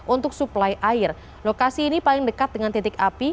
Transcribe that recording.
untuk suplai air lokasi ini paling dekat dengan titik api